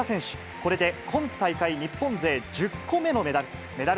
これで今大会、日本勢１０個目のメダル。